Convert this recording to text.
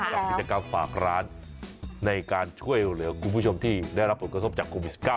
กับกิจกรรมฝากร้านในการช่วยเหลือคุณผู้ชมที่ได้รับผลกระทบจากโควิด๑๙